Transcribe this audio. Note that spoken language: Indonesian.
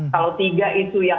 kalau tiga itu yang